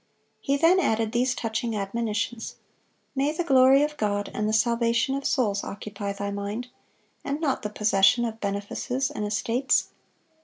He then added these touching admonitions: "May the glory of God and the salvation of souls occupy thy mind, and not the possession of benefices and estates.